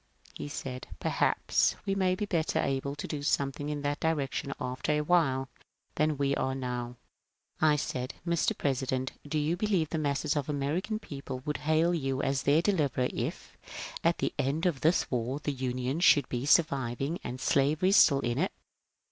He said, " Perhaps we may be better able to do something in that direction after a while than we are now." I said, " Mr. President, do you believe the masses of the American people would hail you as their deliverer if, at the end of this war, the Union should be surviving and slavery still in it?